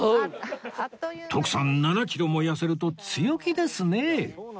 徳さん７キロも痩せると強気ですねえ